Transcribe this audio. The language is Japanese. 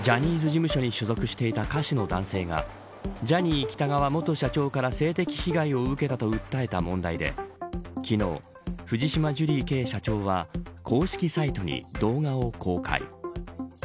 ジャニーズ事務所に所属していた歌手の男性がジャニー喜多川元社長から性的被害を受けたと訴えた問題で昨日、藤島ジュリーＫ．社長は公式サイトに動画を公開。